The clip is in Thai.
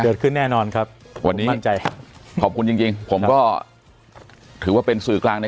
เกิดขึ้นแน่นอนครับขอบคุณจริงผมก็ถือว่าเป็นสื่อกลางใน